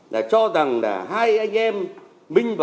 là cho rằng là hai anh em minh và